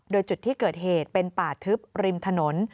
โดยจุดที่เกิดเหตุเป็นป่าทึบริมถนน